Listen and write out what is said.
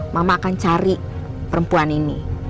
mama akan cari perempuan ini